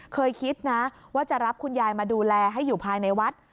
เคยคิดนะว่าจะรับคุณยายมาดูแลให้อยู่ภายในวัด